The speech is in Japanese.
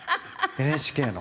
ＮＨＫの。